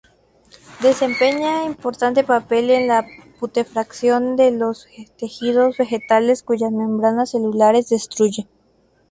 Desempeña importante papel en la putrefacción de los tejidos vegetales cuyas membranas celulares destruye.